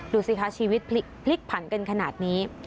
ดูสิคะชีวิตพลิกผันกันขนาดนี้